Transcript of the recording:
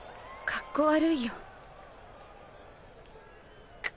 かっこ悪いよ。